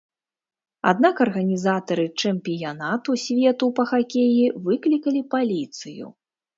Аднак арганізатары чэмпіянату свету па хакеі выклікалі паліцыю.